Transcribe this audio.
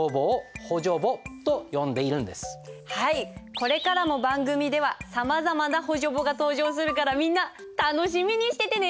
これからも番組ではさまざまな補助簿が登場するからみんな楽しみにしててね！